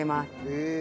へえ。